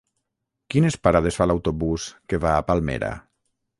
Quines parades fa l'autobús que va a Palmera?